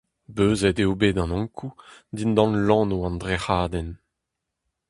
Beuzet eo bet an Ankou dindan lanv an drec’hadenn.